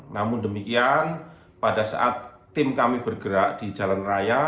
namun demikian pada saat tim kami bergerak di jalan raya